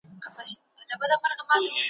که سکندر دی که رستم دی عاقبت ورته غوزاریږی ,